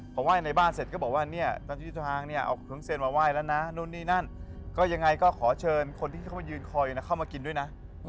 พอไหว้ในบ้านเสร็จก็บอกว่าเนี่ยตอนที่ทางเนี่ยเอาเครื่องเซียนมาไหว้แล้วนะนู่นนี่นั่นก็ยังไงก็ขอเชิญคนที่เข้ามายืนคอยเข้ามากินด้วยนะ